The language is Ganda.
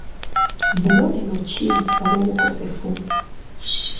Bubonero ki obw'obukosefu?